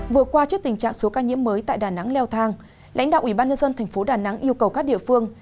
vừa qua trước tình trạng số ca nhiễm mới tại đà nẵng leo thang lãnh đạo ubnd tp đà nẵng yêu cầu các địa phương